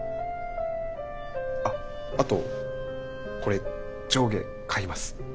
あっあとこれ上下買います。